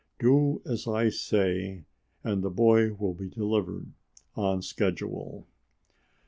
Do as I say and the boy will be delivered on schedule."